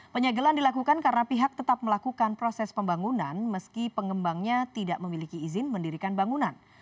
penyegelan dilakukan karena pihak tetap melakukan proses pembangunan meski pengembangnya tidak memiliki izin mendirikan bangunan